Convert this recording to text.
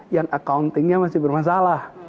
yang accountingnya masih bermasalah